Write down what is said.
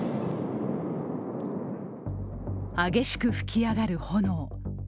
激しく噴き上がる炎。